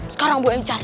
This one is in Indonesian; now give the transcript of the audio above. sekarang boem cari